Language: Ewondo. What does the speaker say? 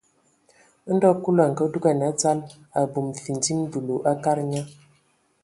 Ndo Kulu a ngadugan a dzal die, abum findim, dulu a kadag nye.